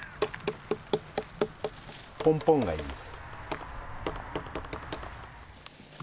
ポンポンがいいです。